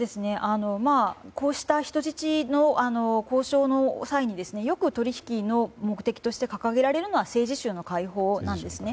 こうした人質の交渉の際によく取引の目的として掲げられるのは政治囚の解放なんですね。